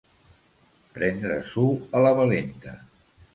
Prendre-s'ho a la valenta.